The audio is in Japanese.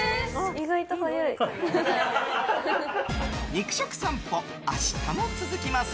肉食さんぽ、明日も続きます。